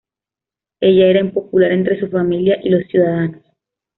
Ella era impopular entre su familia y los ciudadanos.